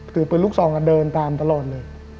ถือปืนลูกซองเดินตามตลอดเลย